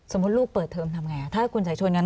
สมมุติลูกเปิดเทอมทำไงถ้าคุณสายชนอย่างนั้น